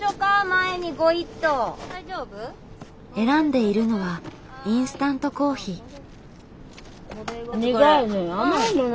選んでいるのはインスタントコーヒー。